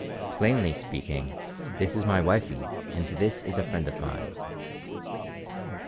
"Plainly speaking, this is my wifey and this is a friend of mine."